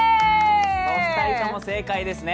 お二人とも正解ですね。